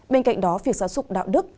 bên cạnh đó việc giáo dục đạo đức